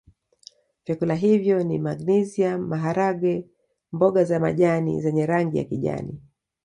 Vyakula hivyo ni magnesium maharage mboga za majani zenye rangi ya kijani